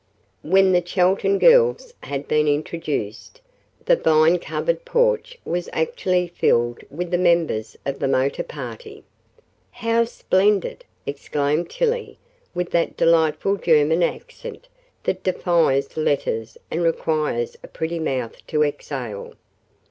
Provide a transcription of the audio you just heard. When the Chelton girls had been introduced, the vine covered porch was actually filled with the members of the motor party. "How splendid!" exclaimed Tillie, with that delightful German accent that defies letters and requires a pretty mouth to "exhale."